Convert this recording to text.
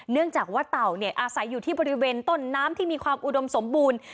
เนื่องจากว่าเต่าอาศัยอยู่ที่บริเวณต้นน้ำที่มีความอุดมสมบูรณ์